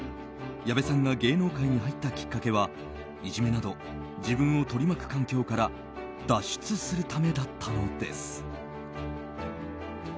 矢部さんが芸能界に入ったきっかけはいじめなど自分を取り巻く環境から脱出するためだったのです。